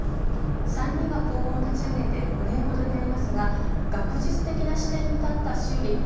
３人が工房を立ち上げて５年ほどになりますが学術的な視点に立った修理